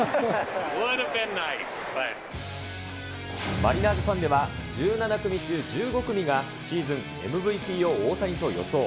マリナーズファンでは１７組中１５組が、シーズンＭＶＰを大谷と予想。